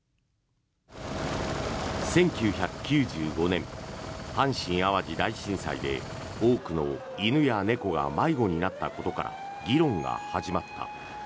１９９５年阪神・淡路大震災で多くの犬や猫が迷子になったことから議論が始まった。